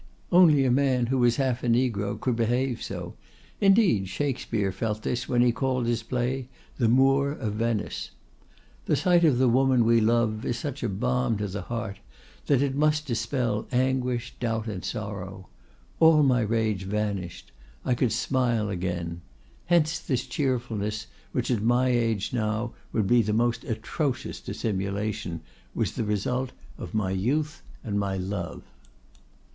Only a man who is half a Negro could behave so: indeed Shakespeare felt this when he called his play 'The Moor of Venice.' The sight of the woman we love is such a balm to the heart that it must dispel anguish, doubt, and sorrow. All my rage vanished. I could smile again. Hence this cheerfulness, which at my age now would be the most atrocious dissimulation, was the result of my youth and my love.